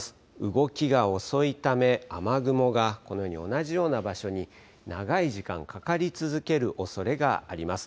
動きが遅いため、雨雲がこのように同じような場所に長い時間、かかり続けるおそれがあります。